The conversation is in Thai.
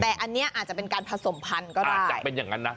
แต่อันเนี้ยอาจจะเป็นการผสมพันก็ได้อาจจะเป็นอย่างงั้นนะ